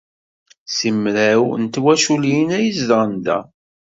Simraw n twaculin ay izedɣen da.